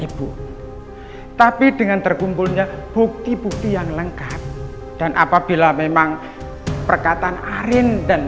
ibu tapi dengan terkumpulnya bukti bukti yang lengkap dan apabila memang perkataan arin dan